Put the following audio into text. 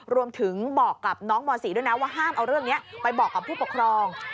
รวมถึงบอกกับน้องม๔ด้วยนะว่าห้ามเอาเรื่องนี้ไปบอกกับผู้ปกครอง